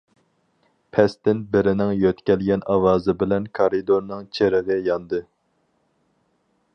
پەستىن بىرىنىڭ يۆتەلگەن ئاۋازى بىلەن كارىدورنىڭ چىرىغى ياندى.